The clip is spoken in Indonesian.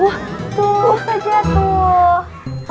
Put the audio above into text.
wah tuh ustazah tuh